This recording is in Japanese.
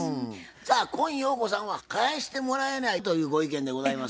さあ今陽子さんは返してもらえないというご意見でございますが。